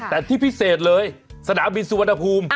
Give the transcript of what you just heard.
แต่ที่พิเศษเลยสนามบินสุวรรณภูมิ